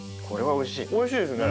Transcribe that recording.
おいしいですね。